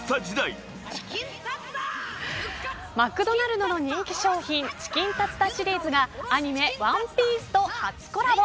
マクドナルドの人気商品チキンタツタシリーズがアニメＯＮＥＰＩＥＣＥと初コラボ。